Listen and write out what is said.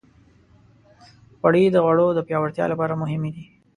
غوړې د غړو د پیاوړتیا لپاره مهمې دي.